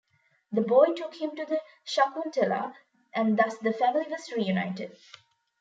The boy took him to Shakuntala, and thus the family was reunited.